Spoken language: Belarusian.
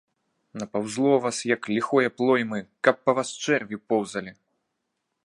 Напаўзло вас, як ліхое плоймы, каб па вас чэрві поўзалі.